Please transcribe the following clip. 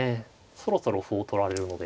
そろそろ歩を取られるので。